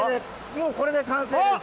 もうこれで完成です。